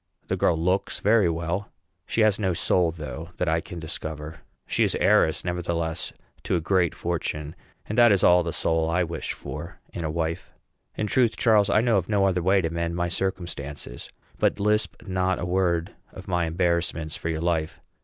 The girl looks very well; she has no soul, though, that I can discover; she is heiress, nevertheless, to a great fortune, and that is all the soul I wish for in a wife. In truth, Charles, I know of no other way to mend my circumstances. But lisp not a word of my embarrassments for your life.